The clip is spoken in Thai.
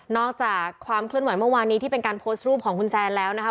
จากความเคลื่อนไหวเมื่อวานนี้ที่เป็นการโพสต์รูปของคุณแซนแล้วนะคะ